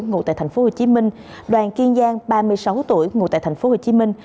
ngụ tại thành phố hồ chí minh đoàn kiên giang ba mươi sáu tuổi ngụ tại thành phố hồ chí minh